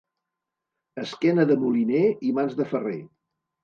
Esquena de moliner i mans de ferrer.